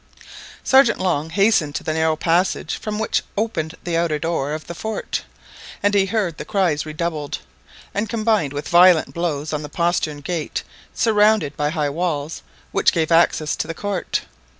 Sergeant Long hastened to the narrow passage from which opened the outer door of the fort, and heard the cries redoubled, and combined with violent blows on the postern gate, surrounded by high walls, which gave access to the court.